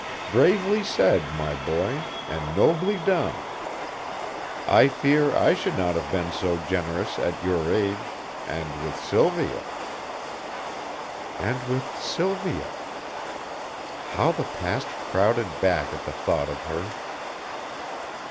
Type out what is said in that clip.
Bravely said, my boy, and nobly done! I fear I should not have been so generous at your age, and with Sylvia And with Sylvia! How the past crowded back at the thought of her!